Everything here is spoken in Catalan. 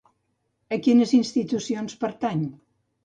A quines institucions pertany?